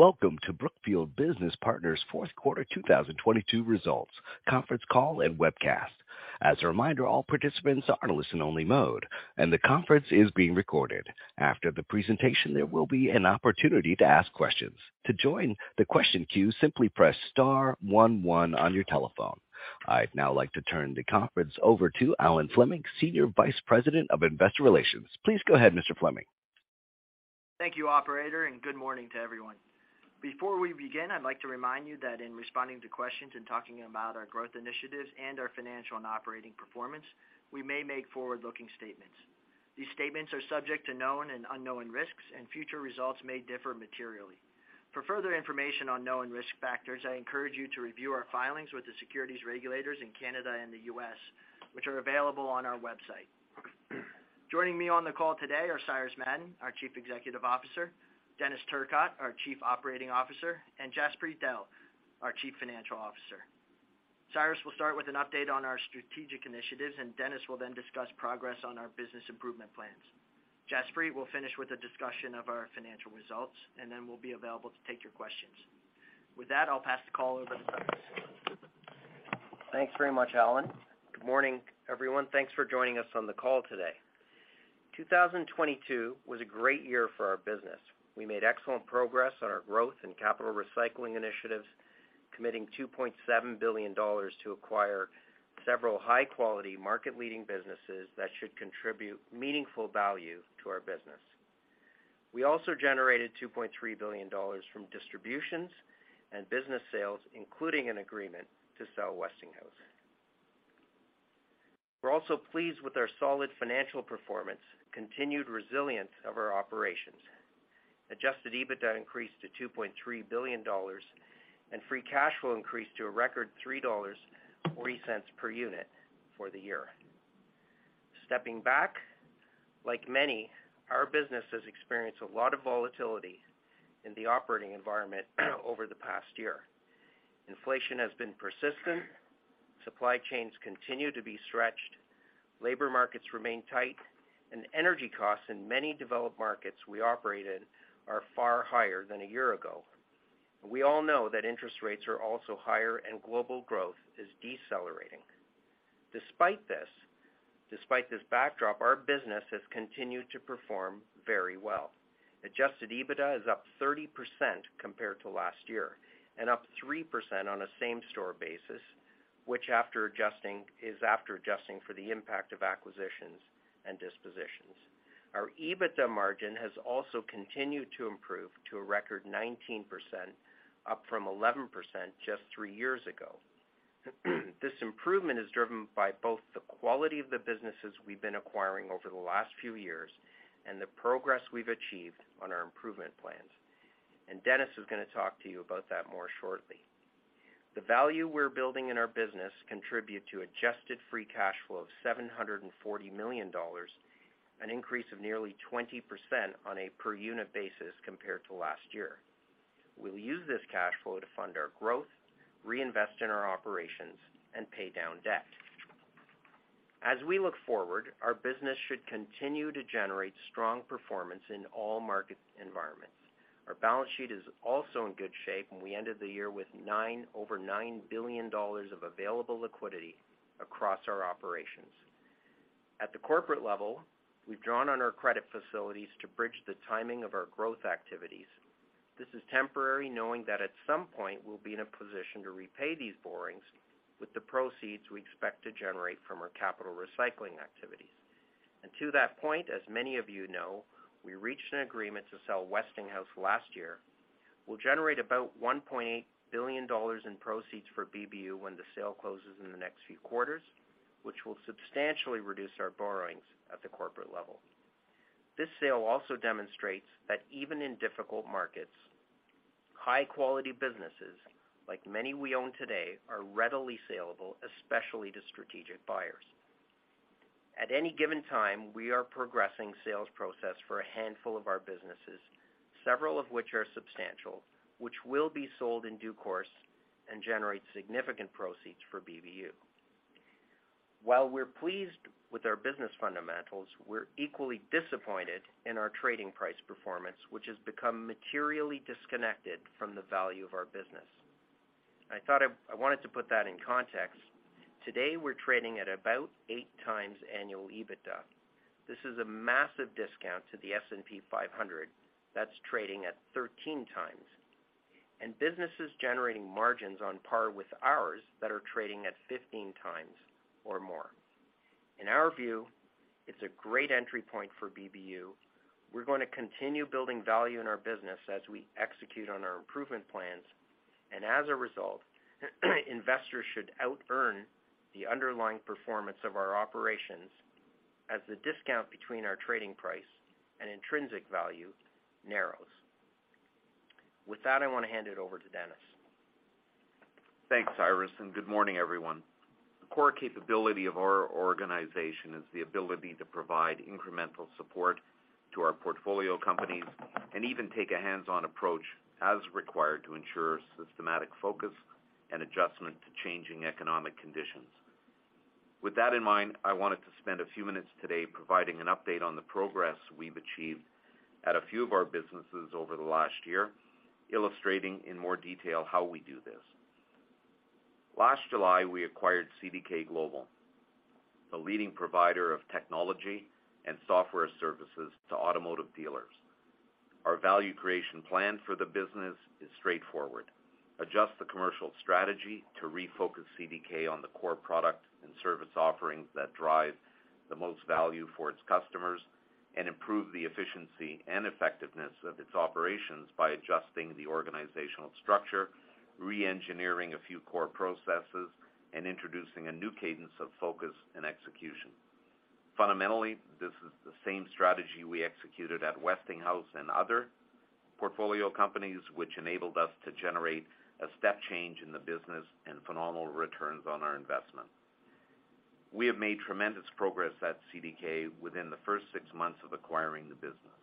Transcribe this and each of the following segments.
Welcome to Brookfield Business Partners Fourth Quarter 2022 Results Conference Call and Webcast. As a reminder, all participants are in listen-only mode, and the conference is being recorded. After the presentation, there will be an opportunity to ask questions. To join the question queue, simply press star one one on your telephone. I'd now like to turn the conference over to Alan Fleming, Senior Vice President of Investor Relations. Please go ahead, Mr. Fleming. Thank you, operator. Good morning to everyone. Before we begin, I'd like to remind you that in responding to questions and talking about our growth initiatives and our financial and operating performance, we may make forward-looking statements. These statements are subject to known and unknown risks. Future results may differ materially. For further information on known risk factors, I encourage you to review our filings with the securities regulators in Canada and the U.S., which are available on our website. Joining me on the call today are Cyrus Madon, our Chief Executive Officer; Denis Turcotte, our Chief Operating Officer; and Jaspreet Dehl, our Chief Financial Officer. Cyrus will start with an update on our strategic initiatives. Denis will then discuss progress on our business improvement plans. Jaspreet will finish with a discussion of our financial results. Then we'll be available to take your questions. With that, I'll pass the call over to Cyrus. Thanks very much, Alan. Good morning, everyone. Thanks for joining us on the call today. 2022 was a great year for our business. We made excellent progress on our growth and capital recycling initiatives, committing $2.7 billion to acquire several high-quality market-leading businesses that should contribute meaningful value to our business. We also generated $2.3 billion from distributions and business sales, including an agreement to sell Westinghouse. We're also pleased with our solid financial performance, continued resilience of our operations. Adjusted EBITDA increased to $2.3 billion, and free cash flow increased to a record $3.40 per unit for the year. Stepping back, like many, our business has experienced a lot of volatility in the operating environment over the past year. Inflation has been persistent, supply chains continue to be stretched, labor markets remain tight, and energy costs in many developed markets we operate in are far higher than a year ago. We all know that interest rates are also higher and global growth is decelerating. Despite this backdrop, our business has continued to perform very well. Adjusted EBITDA is up 30% compared to last year, and up 3% on a same-store basis, which is after adjusting for the impact of acquisitions and dispositions. Our EBITDA margin has also continued to improve to a record 19%, up from 11% just three years ago. This improvement is driven by both the quality of the businesses we've been acquiring over the last few years and the progress we've achieved on our improvement plans. Denis is gonna talk to you about that more shortly. The value we're building in our business contribute to adjusted free cash flow of $740 million, an increase of nearly 20% on a per-unit basis compared to last year. We'll use this cash flow to fund our growth, reinvest in our operations, and pay down debt. As we look forward, our business should continue to generate strong performance in all market environments. Our balance sheet is also in good shape, and we ended the year with over $9 billion of available liquidity across our operations. At the corporate level, we've drawn on our credit facilities to bridge the timing of our growth activities. This is temporary, knowing that at some point, we'll be in a position to repay these borrowings with the proceeds we expect to generate from our capital recycling activities. To that point, as many of you know, we reached an agreement to sell Westinghouse last year. We'll generate about $1.8 billion in proceeds for BBU when the sale closes in the next few quarters, which will substantially reduce our borrowings at the corporate level. This sale also demonstrates that even in difficult markets, high-quality businesses, like many we own today, are readily sellable, especially to strategic buyers. At any given time, we are progressing sales process for a handful of our businesses, several of which are substantial, which will be sold in due course and generate significant proceeds for BBU. While we're pleased with our business fundamentals, we're equally disappointed in our trading price performance, which has become materially disconnected from the value of our business. I wanted to put that in context. Today, we're trading at about 8x annual EBITDA. This is a massive discount to the S&P 500 that's trading at 13x, and businesses generating margins on par with ours that are trading at 15x or more. In our view, it's a great entry point for BBU. We're gonna continue building value in our business as we execute on our improvement plans. As a result, investors should outearn the underlying performance of our operations as the discount between our trading price and intrinsic value narrows. With that, I wanna hand it over to Denis. Thanks, Cyrus, and good morning, everyone. The core capability of our organization is the ability to provide incremental support to our portfolio companies and even take a hands-on approach as required to ensure systematic focus and adjustment to changing economic conditions. With that in mind, I wanted to spend a few minutes today providing an update on the progress we've achieved at a few of our businesses over the last year, illustrating in more detail how we do this. Last July, we acquired CDK Global, the leading provider of technology and software services to automotive dealers. Our value creation plan for the business is straightforward. Adjust the commercial strategy to refocus CDK on the core product and service offerings that drive the most value for its customers, and improve the efficiency and effectiveness of its operations by adjusting the organizational structure, re-engineering a few core processes, and introducing a new cadence of focus and execution. Fundamentally, this is the same strategy we executed at Westinghouse and other portfolio companies, which enabled us to generate a step change in the business and phenomenal returns on our investment. We have made tremendous progress at CDK within the first six months of acquiring the business.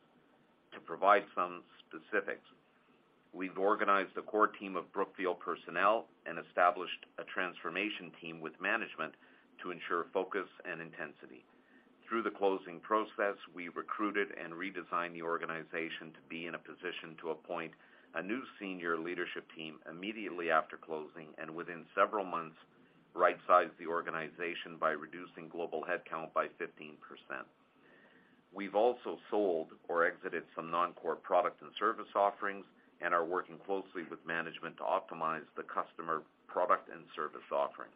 To provide some specifics, we've organized a core team of Brookfield personnel and established a transformation team with management to ensure focus and intensity. Through the closing process, we recruited and redesigned the organization to be in a position to appoint a new senior leadership team immediately after closing and within several months, right-sized the organization by reducing global headcount by 15%. We've also sold or exited some non-core product and service offerings, and are working closely with management to optimize the customer product and service offerings.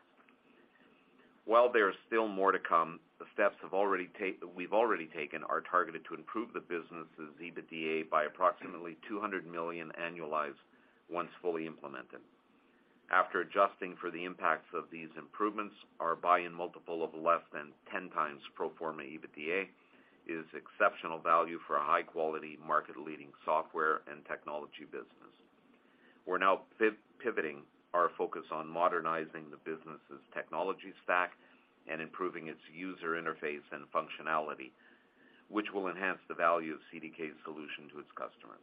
While there is still more to come, the steps we've already taken are targeted to improve the business' EBITDA by approximately $200 million annualized once fully implemented. After adjusting for the impacts of these improvements, our buy-in multiple of less than 10x pro forma EBITDA is exceptional value for a high-quality market-leading software and technology business. We're now pivoting our focus on modernizing the business' technology stack and improving its user interface and functionality, which will enhance the value of CDK's solution to its customers.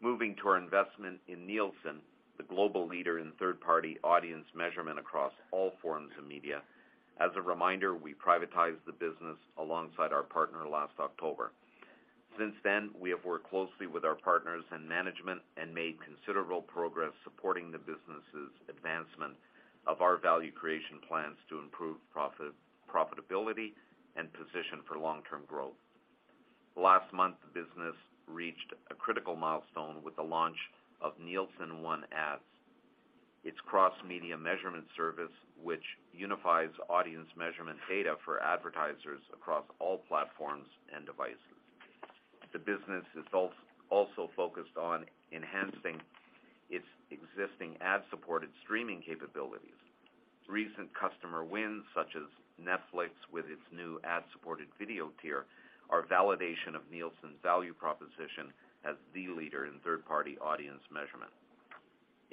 Moving to our investment in Nielsen, the global leader in third-party audience measurement across all forms of media. As a reminder, we privatized the business alongside our partner last October. Since then, we have worked closely with our partners in management and made considerable progress supporting the business' advancement of our value creation plans to improve profitability and position for long-term growth. Last month, the business reached a critical milestone with the launch of Nielsen ONE Ads, its cross-media measurement service, which unifies audience measurement data for advertisers across all platforms and devices. The business is also focused on enhancing its existing ad-supported streaming capabilities. Recent customer wins, such as Netflix with its new ad-supported video tier, are validation of Nielsen's value proposition as the leader in third-party audience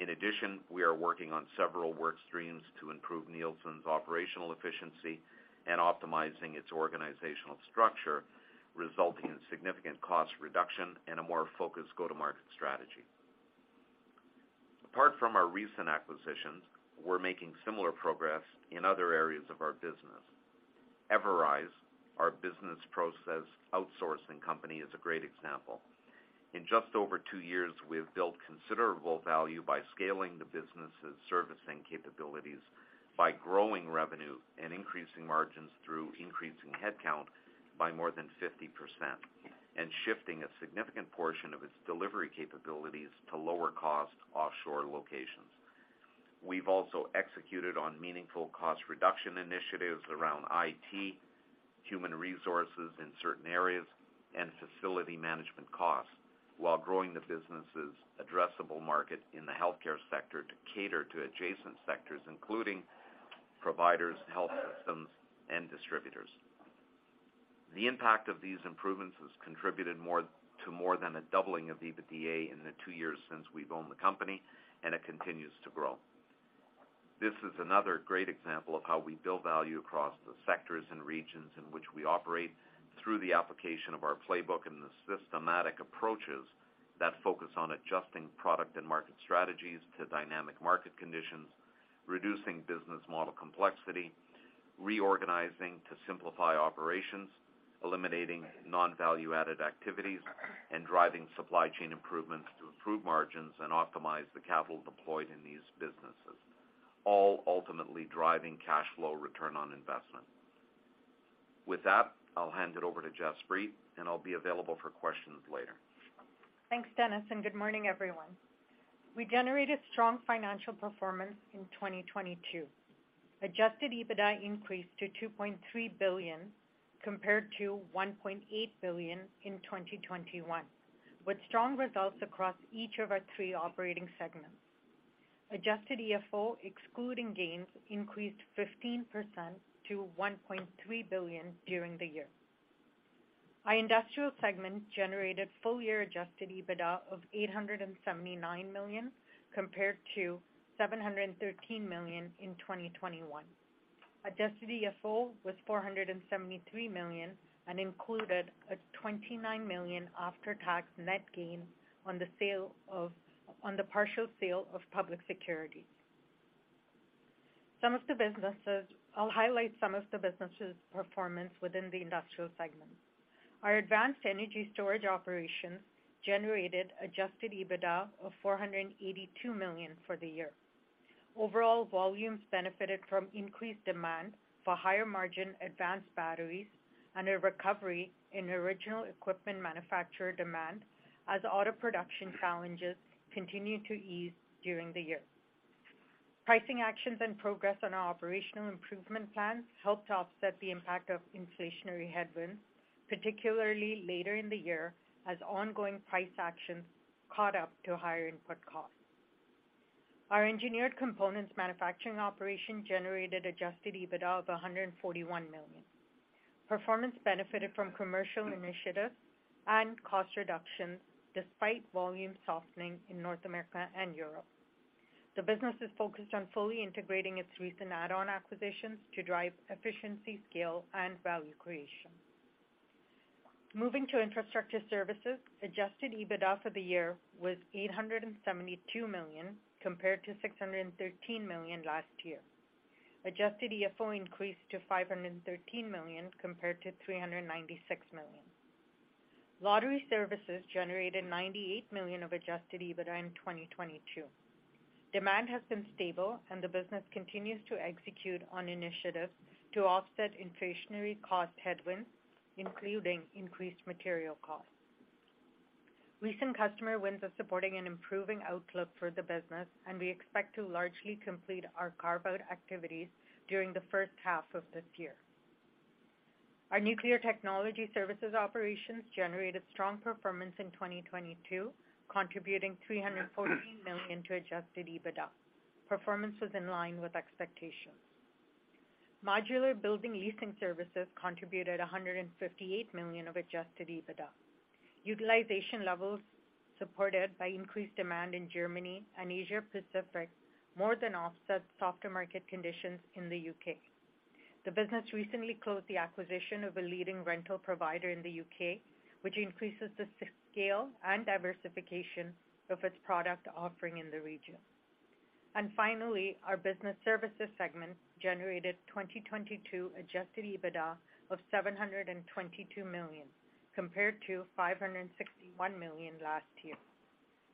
measurement. We are working on several work streams to improve Nielsen's operational efficiency and optimizing its organizational structure, resulting in significant cost reduction and a more focused go-to-market strategy. Apart from our recent acquisitions, we're making similar progress in other areas of our business. Everise, our business process outsourcing company, is a great example. In just over two years, we have built considerable value by scaling the business' servicing capabilities by growing revenue and increasing margins through increasing headcount by more than 50%, and shifting a significant portion of its delivery capabilities to lower-cost offshore locations. We've also executed on meaningful cost reduction initiatives around IT, human resources in certain areas, and facility management costs, while growing the business' addressable market in the healthcare sector to cater to adjacent sectors, including providers, health systems, and distributors. The impact of these improvements has contributed to more than a doubling of EBITDA in the two years since we've owned the company, and it continues to grow. This is another great example of how we build value across the sectors and regions in which we operate through the application of our playbook and the systematic approaches that focus on adjusting product and market strategies to dynamic market conditions, reducing business model complexity, reorganizing to simplify operations, eliminating non-value-added activities, and driving supply chain improvements to improve margins and optimize the capital deployed in these businesses, all ultimately driving cash flow return on investment. With that, I'll hand it over to Jaspreet, and I'll be available for questions later. Thanks, Denis, and good morning, everyone. We generated strong financial performance in 2022. Adjusted EBITDA increased to $2.3 billion compared to $1.8 billion in 2021, with strong results across each of our three operating segments. Adjusted EFO, excluding gains, increased 15% to $1.3 billion during the year. Our industrial segment generated full-year Adjusted EBITDA of $879 million compared to $713 million in 2021. Adjusted EFO was $473 million and included a $29 million after-tax net gain on the partial sale of public security. I'll highlight some of the businesses' performance within the industrial segment. Our advanced energy storage operations generated Adjusted EBITDA of $482 million for the year. Overall volumes benefited from increased demand for higher margin advanced batteries and a recovery in original equipment manufacturer demand as auto production challenges continued to ease during the year. Pricing actions and progress on our operational improvement plans helped to offset the impact of inflationary headwinds, particularly later in the year as ongoing price actions caught up to higher input costs. Our engineered components manufacturing operation generated adjusted EBITDA of $141 million. Performance benefited from commercial initiatives and cost reductions despite volume softening in North America and Europe. The business is focused on fully integrating its recent add-on acquisitions to drive efficiency, scale, and value creation. Moving to Infrastructure Services, adjusted EBITDA for the year was $872 million compared to $613 million last year. Adjusted EFO increased to $513 million compared to $396 million. Lottery services generated $98 million of adjusted EBITDA in 2022. The business continues to execute on initiatives to offset inflationary cost headwinds, including increased material costs. Recent customer wins are supporting an improving outlook for the business. We expect to largely complete our carve-out activities during the first half of this year. Our nuclear technology services operations generated strong performance in 2022, contributing $314 million to adjusted EBITDA. Performance was in line with expectations. Modular building leasing services contributed $158 million of adjusted EBITDA. Utilization levels supported by increased demand in Germany and Asia Pacific more than offset softer market conditions in the U.K. The business recently closed the acquisition of a leading rental provider in the U.K., which increases the scale and diversification of its product offering in the region. Finally, our Business Services segment generated 2022 adjusted EBITDA of $722 million compared to $561 million last year.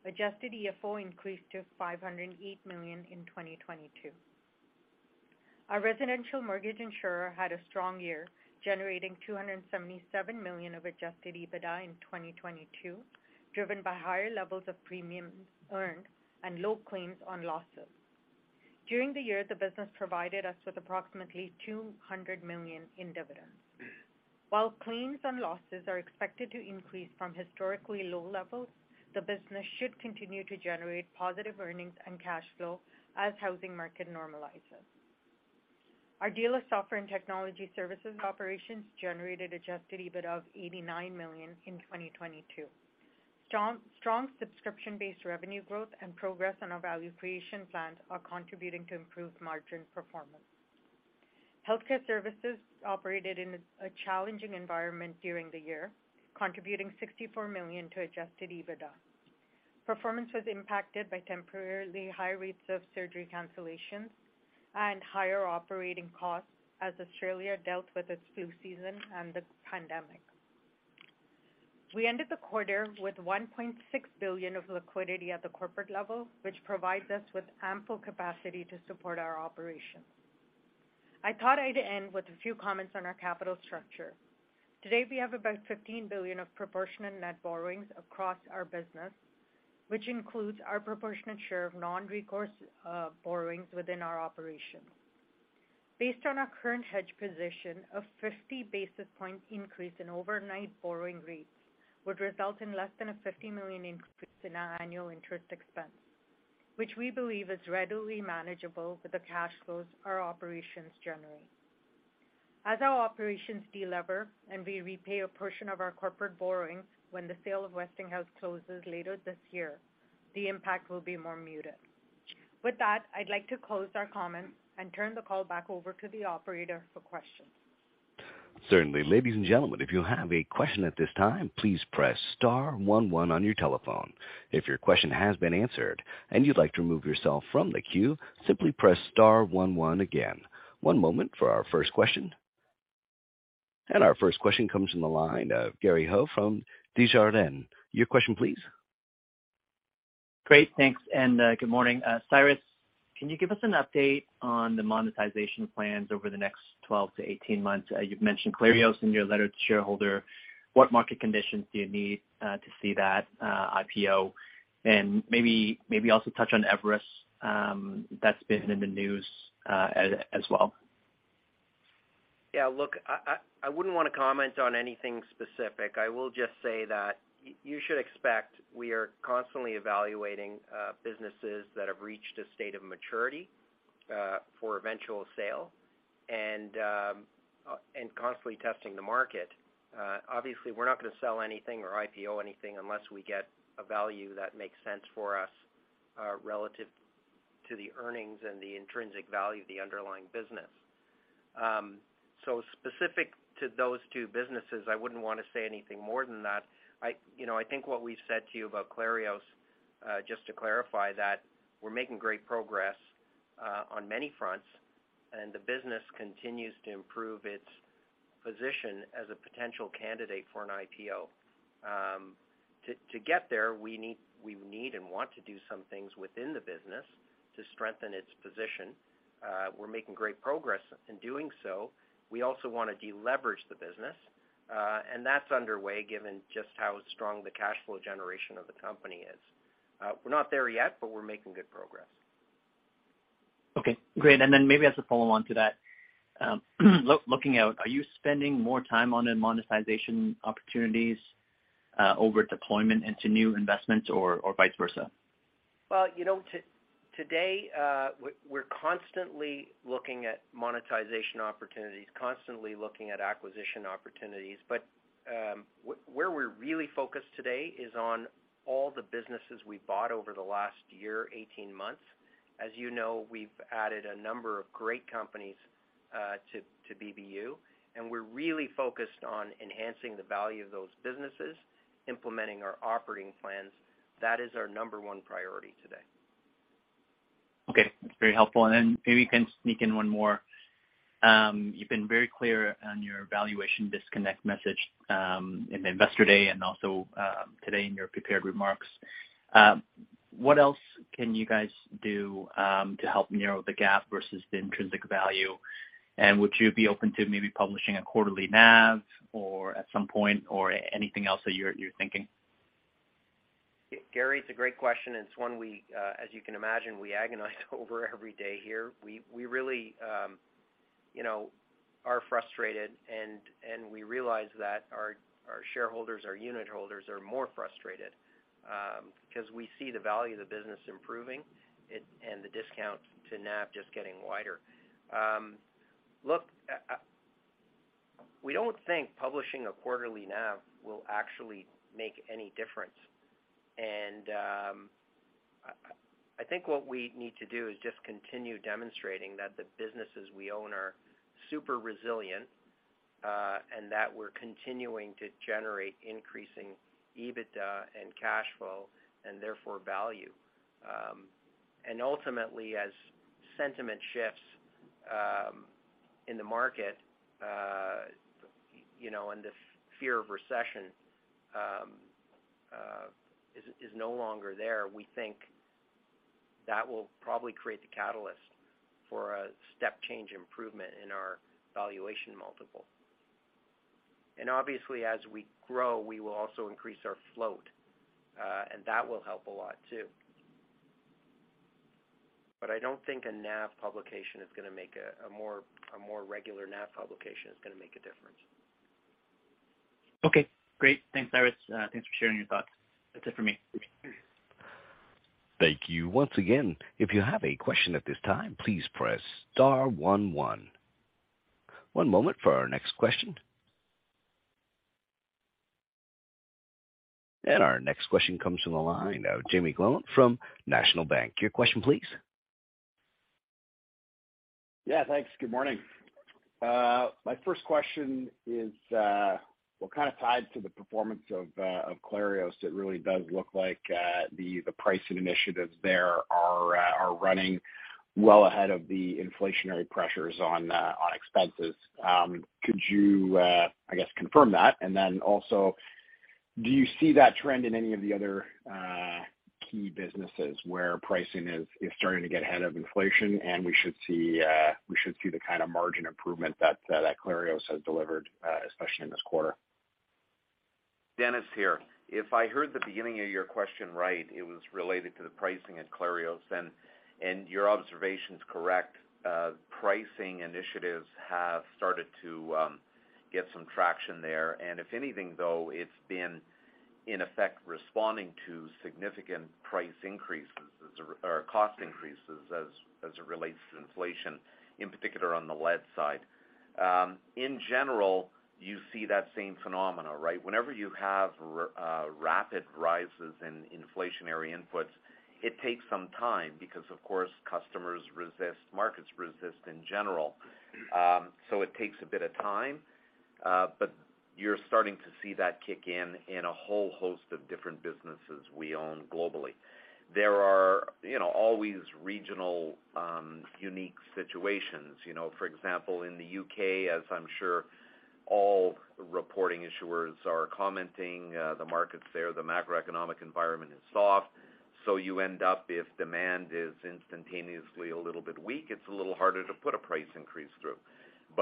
Adjusted EFO increased to $508 million in 2022. Our residential mortgage insurer had a strong year, generating $277 million of adjusted EBITDA in 2022, driven by higher levels of premiums earned and low claims on losses. During the year, the business provided us with approximately $200 million in dividends. While claims and losses are expected to increase from historically low levels, the business should continue to generate positive earnings and cash flow as housing market normalizes. Our dealer software and technology services operations generated adjusted EBIT of $89 million in 2022. Strong subscription-based revenue growth and progress on our value creation plans are contributing to improved margin performance. Healthcare services operated in a challenging environment during the year, contributing $64 million to adjusted EBITDA. Performance was impacted by temporarily high rates of surgery cancellations and higher operating costs as Australia dealt with its flu season and the pandemic. We ended the quarter with $1.6 billion of liquidity at the corporate level, which provides us with ample capacity to support our operations. I thought I'd end with a few comments on our capital structure. Today, we have about $15 billion of proportionate net borrowings across our business, which includes our proportionate share of non-recourse borrowings within our operations. Based on our current hedge position, a 50 basis point increase in overnight borrowing rates would result in less than a $50 million increase in our annual interest expense, which we believe is readily manageable with the cash flows our operations generate. As our operations de-lever and we repay a portion of our corporate borrowings when the sale of Westinghouse closes later this year, the impact will be more muted. With that, I'd like to close our comments and turn the call back over to the operator for questions. Certainly. Ladies and gentlemen, if you have a question at this time, please press star one one on your telephone. If your question has been answered and you'd like to remove yourself from the queue, simply press star one one again. One moment for our first question. Our first question comes from the line of Gary Ho from Desjardins. Your question, please. Great. Thanks. Good morning. Cyrus, can you give us an update on the monetization plans over the next 12 to 18 months? You've mentioned Clarios in your letter to shareholder. What market conditions do you need to see that IPO? Maybe also touch on Everise, that's been in the news as well. Yeah, look, I wouldn't wanna comment on anything specific. I will just say that you should expect we are constantly evaluating businesses that have reached a state of maturity for eventual sale. Constantly testing the market. Obviously, we're not gonna sell anything or IPO anything unless we get a value that makes sense for us relative to the earnings and the intrinsic value of the underlying business. Specific to those two businesses, I wouldn't wanna say anything more than that. I, you know, I think what we've said to you about Clarios, just to clarify that we're making great progress on many fronts, and the business continues to improve its position as a potential candidate for an IPO. To get there, we need and want to do some things within the business to strengthen its position. We're making great progress in doing so. We also wanna deleverage the business, that's underway given just how strong the cash flow generation of the company is. We're not there yet, but we're making good progress. Okay, great. Maybe as a follow-on to that, looking out, are you spending more time on the monetization opportunities over deployment into new investments or vice versa? Well, you know, today, we're constantly looking at monetization opportunities, constantly looking at acquisition opportunities. Where we're really focused today is on all the businesses we bought over the last year, 18 months. As you know, we've added a number of great companies to BBU, we're really focused on enhancing the value of those businesses, implementing our operating plans. That is our number one priority today. Okay. That's very helpful. Then maybe you can sneak in one more. You've been very clear on your valuation disconnect message, in the Investor Day and also, today in your prepared remarks. What else can you guys do, to help narrow the gap versus the intrinsic value? Would you be open to maybe publishing a quarterly NAV or at some point or anything else that you're thinking? Gary, it's a great question, and it's one we, as you can imagine, we agonize over every day here. We really, you know, are frustrated, and we realize that our shareholders, our unitholders are more frustrated, because we see the value of the business improving and the discount to NAV just getting wider. Look, we don't think publishing a quarterly NAV will actually make any difference. I think what we need to do is just continue demonstrating that the businesses we own are super resilient, and that we're continuing to generate increasing EBITDA and cash flow, and therefore value. Ultimately, as sentiment shifts, in the market, you know, and the fear of recession, is no longer there, we think that will probably create the catalyst for a step change improvement in our valuation multiple. Obviously, as we grow, we will also increase our float, and that will help a lot too. I don't think a more regular NAV publication is gonna make a difference. Okay, great. Thanks, Cyrus. Thanks for sharing your thoughts. That's it for me. Thank you. Once again, if you have a question at this time, please press star one one. One moment for our next question. Our next question comes from the line of Jaeme Gloyn from National Bank. Your question, please. Yeah, thanks. Good morning. My first question is, well, kind of tied to the performance of Clarios. It really does look like the pricing initiatives there are running well ahead of the inflationary pressures on expenses. Could you, I guess, confirm that? Then also, do you see that trend in any of the other key businesses where pricing is starting to get ahead of inflation and we should see the kind of margin improvement that Clarios has delivered, especially in this quarter? Denis here. If I heard the beginning of your question right, it was related to the pricing at Clarios then. Your observation is correct, pricing initiatives have started to get some traction there. If anything, though, it's been in effect responding to significant price increases or cost increases as it relates to inflation, in particular on the lead side. In general, you see that same phenomena, right? Whenever you have rapid rises in inflationary inputs, it takes some time because, of course, customers resist, markets resist in general. So it takes a bit of time, but you're starting to see that kick in in a whole host of different businesses we own globally. There are, you know, always regional, unique situations. You know, for example, in the U.K., as I'm sure all reporting issuers are commenting, the markets there, the macroeconomic environment is soft, so you end up if demand is instantaneously a little bit weak, it's a little harder to put a price increase through.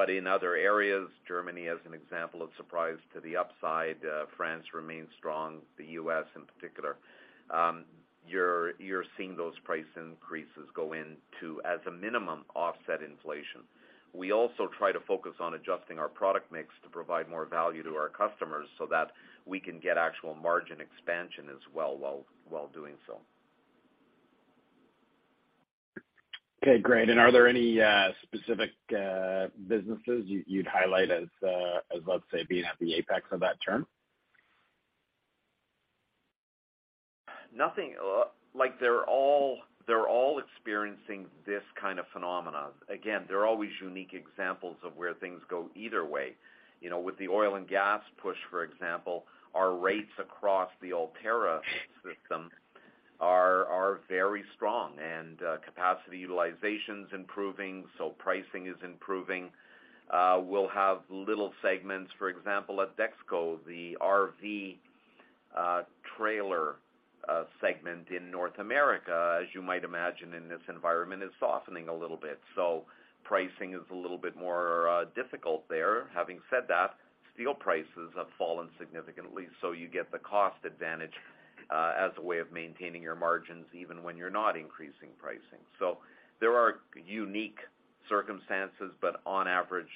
In other areas, Germany, as an example, a surprise to the upside, France remains strong, the U.S. in particular. You're seeing those price increases go into, as a minimum, offset inflation. We also try to focus on adjusting our product mix to provide more value to our customers so that we can get actual margin expansion as well while doing so. Okay, great. Are there any specific businesses you'd highlight as, let's say, being at the apex of that term? Nothing. Like, they're all experiencing this kind of phenomena. Again, there are always unique examples of where things go either way. You know, with the oil and gas push, for example, our rates across the Altera system are very strong and capacity utilization's improving, so pricing is improving. We'll have little segments, for example, at DexKo, the RV trailer segment in North America, as you might imagine in this environment, is softening a little bit. Pricing is a little bit more difficult there. Having said that, steel prices have fallen significantly, so you get the cost advantage as a way of maintaining your margins even when you're not increasing pricing. There are unique circumstances, but on average,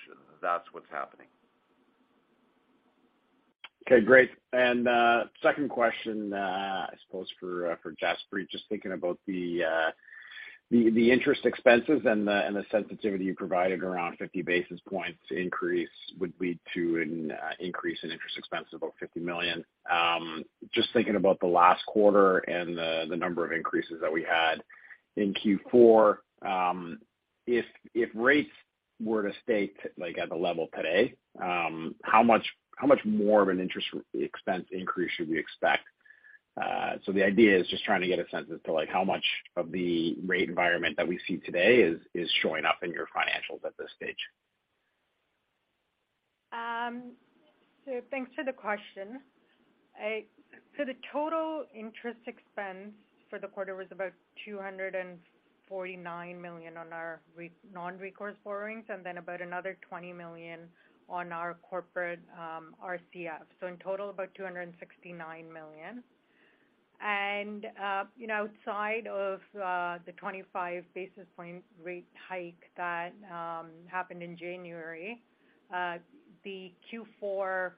that's what's happening. Okay, great. Second question, I suppose for Jaspreet, just thinking about the interest expenses and the sensitivity you provided around 50 basis points increase would lead to an increase in interest expense of about $50 million. Just thinking about the last quarter and the number of increases that we had in Q4, if rates were to stay like at the level today, how much more of an interest expense increase should we expect? The idea is just trying to get a sense as to, like how much of the rate environment that we see today is showing up in your financials at this stage. Thanks for the question. So the total interest expense for the quarter was about $249 million on our non-recourse borrowings, and then about another $20 million on our corporate RCF. In total, about $269 million. Outside of the 25 basis points rate hike that happened in January, the Q4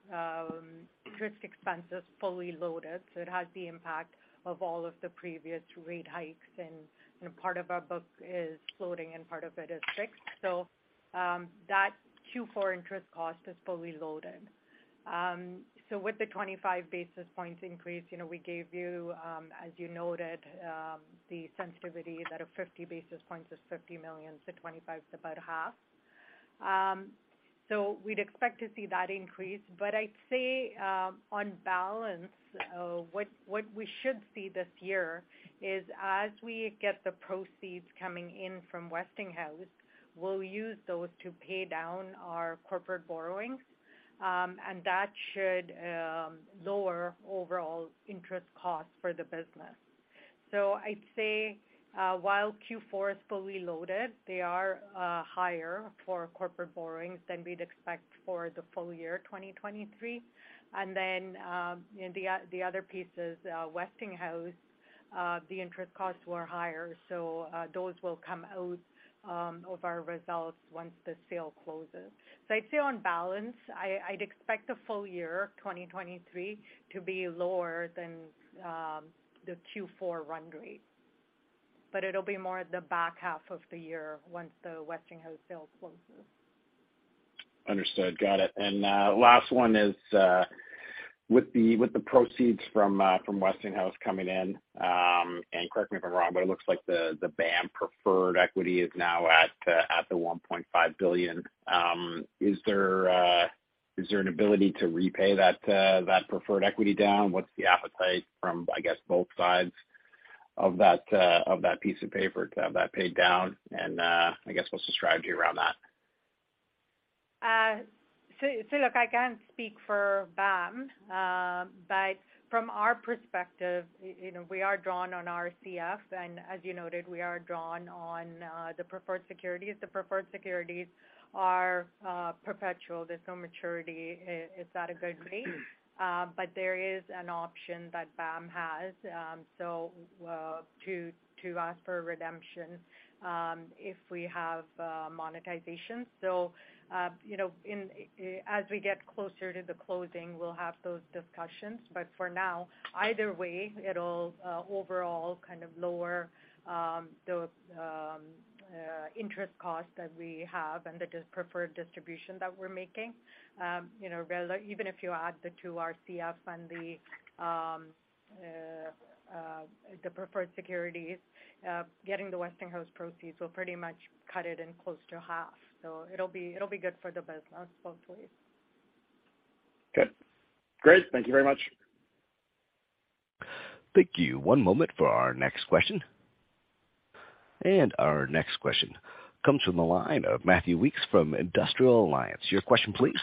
interest expense is fully loaded, so it has the impact of all of the previous rate hikes. Part of our book is floating and part of it is fixed. That Q4 interest cost is fully loaded. With the 25 basis points increase, we gave you, as you noted, the sensitivity that a 50 basis points is $50 million, so 25 is about half. We'd expect to see that increase. I'd say, on balance, what we should see this year is as we get the proceeds coming in from Westinghouse, we'll use those to pay down our corporate borrowings, and that should lower overall interest costs for the business. I'd say, while Q4 is fully loaded, they are higher for corporate borrowings than we'd expect for the full year, 2023. In the other pieces, Westinghouse, the interest costs were higher, those will come out of our results once the sale closes. I'd say on balance, I'd expect the full year, 2023, to be lower than the Q4 run rate. It'll be more at the back half of the year once the Westinghouse sale closes. Understood. Got it. Last one is with the proceeds from Westinghouse coming in, correct me if I'm wrong, but it looks like the BAM preferred equity is now at the $1.5 billion. Is there an ability to repay that preferred equity down? What's the appetite from, I guess, both sides of that piece of paper to have that paid down? I guess what's the strategy around that? So look, I can't speak for BAM. From our perspective, you know, we are drawn on RCF, and as you noted, we are drawn on the preferred securities. The preferred securities are perpetual. There's no maturity. It's at a good rate. There is an option that BAM has, so to ask for redemption, if we have monetization. You know, as we get closer to the closing, we'll have those discussions. For now, either way, it'll overall kind of lower the interest cost that we have and the preferred distribution that we're making. You know, even if you add the two RCF and the preferred securities, getting the Westinghouse proceeds will pretty much cut it in close to half. It'll be good for the business both ways. Okay. Great. Thank you very much. Thank you. One moment for our next question. Our next question comes from the line of Matthew Weekes from iA Capital Markets. Your question please.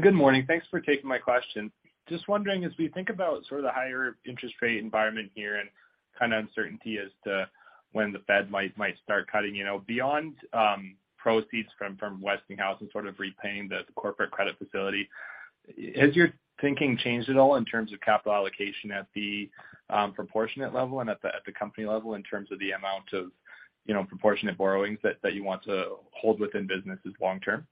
Good morning. Thanks for taking my question. Just wondering, as we think about sort of the higher interest rate environment here and kinda uncertainty as to when the Fed might start cutting, you know, beyond proceeds from Westinghouse and sort of repaying the corporate credit facility, has your thinking changed at all in terms of capital allocation at the proportionate level and at the company level in terms of the amount of, you know, proportionate borrowings that you want to hold within businesses long term?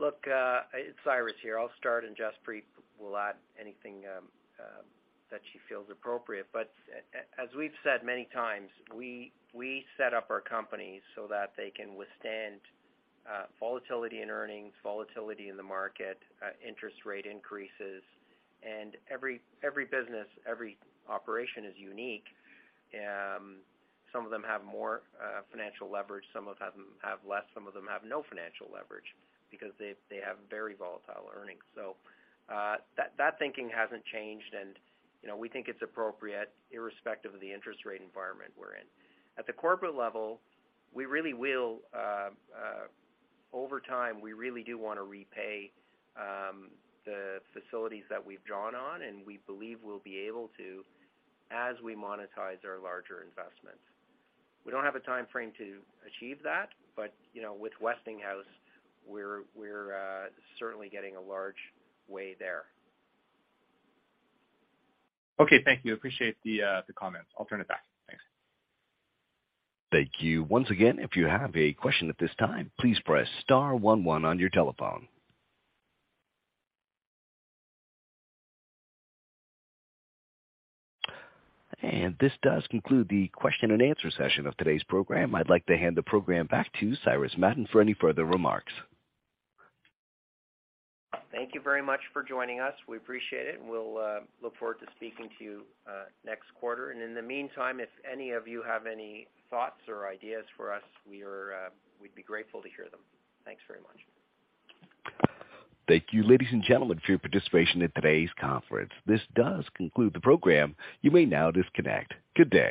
Look, it's Cyrus here. I'll start, Jaspreet will add anything that she feels appropriate. As we've said many times, we set up our companies so that they can withstand volatility in earnings, volatility in the market, interest rate increases. Every business, every operation is unique. Some of them have more financial leverage, some of them have less, some of them have no financial leverage because they have very volatile earnings. That thinking hasn't changed. You know, we think it's appropriate irrespective of the interest rate environment we're in. At the corporate level, we really will over time, we really do wanna repay the facilities that we've drawn on, and we believe we'll be able to as we monetize our larger investments. We don't have a timeframe to achieve that, but, you know, with Westinghouse, we're certainly getting a large way there. Okay, thank you. Appreciate the comments. I'll turn it back. Thanks. Thank you. Once again, if you have a question at this time, please press star 11 on your telephone. This does conclude the question and answer session of today's program. I'd like to hand the program back to Cyrus Madon for any further remarks. Thank you very much for joining us. We appreciate it, and we'll look forward to speaking to you next quarter. In the meantime, if any of you have any thoughts or ideas for us, we'd be grateful to hear them. Thanks very much. Thank you, ladies and gentlemen, for your participation in today's conference. This does conclude the program. You may now disconnect. Good day.